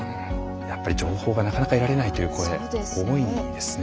やっぱり情報がなかなか得られないという声多いんですね。